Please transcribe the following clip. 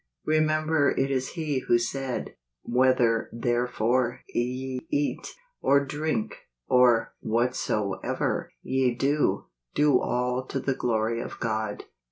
Remember it is Pie who said, " Whether therefore ye eat, or drink, or whatsoever ye do, do all to the glory of God."